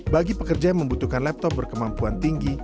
bagi pekerja yang membutuhkan laptop berkemampuan tinggi